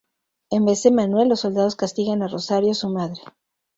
En vez de Manuel, los soldados castigan a Rosario, su madre.